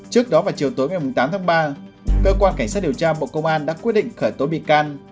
trước đó vào chiều tối một mươi tám tháng ba cơ quan cảnh sát điều tra bộ công an đã quyết định khởi tối bị can